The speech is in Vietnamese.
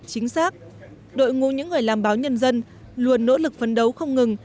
chính xác đội ngũ những người làm báo nhân dân luôn nỗ lực phấn đấu không ngừng